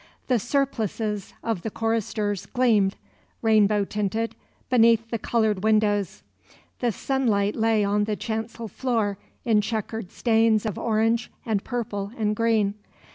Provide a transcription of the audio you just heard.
The surplices of the choristers gleamed, rainbow tinted, beneath the coloured windows; the sunlight lay on the chancel floor in chequered stains of orange and purple and green.